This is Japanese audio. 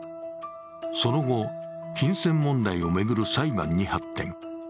その後、金銭問題を巡る裁判に発展。